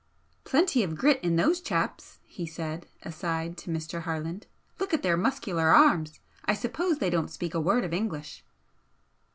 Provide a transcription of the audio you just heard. "Plenty of grit in those chaps," he said, aside to Mr. Harland "Look at their muscular arms! I suppose they don't speak a word of English."